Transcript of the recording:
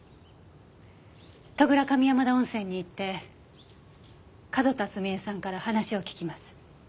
戸倉上山田温泉に行って角田澄江さんから話を聞きます。